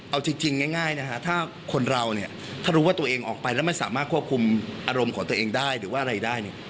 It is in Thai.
เอาจริงง่ายนะฮะถ้าคนเราเนี่ยถ้ารู้ว่าตัวเองออกไปแล้วไม่สามารถควบคุมอารมณ์ของตัวเองได้หรือว่าอะไรได้เนี่ย